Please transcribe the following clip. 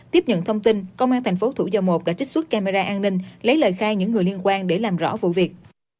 tiếp nhận thông tin công an thành phố thủ dầu một đã trích xuất camera an ninh lấy lời khai những người liên quan để làm rõ vụ việc